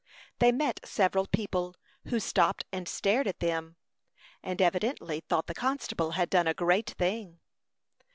They met several people, who stopped and stared at them, and evidently thought the constable had done a great thing.